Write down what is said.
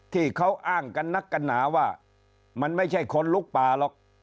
ที่เขาอ้างกันนักกันหนาว่ามันไม่ใช่คนลุกป่าหรอก